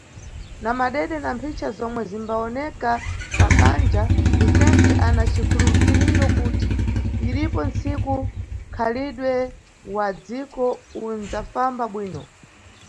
Na madede na mphicha zomwe zimbawoneka pa bandja, Vicente ana cikhulupiriro kuti iripo ntsiku nkhalidwe wa dziko unʼdzafamba bwino.